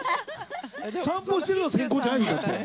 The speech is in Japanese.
散歩してるのが先行じゃないんだって。